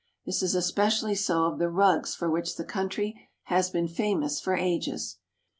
This is espe cially so of the rugs for which the country has been famous for ages.